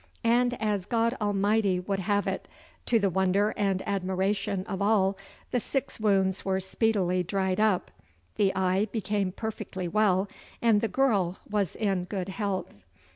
And as God Almighty would have it, to the wonder and admiration of all, the six wounds were speedily dried up, the eye became perfectly well, and the girl was in good health.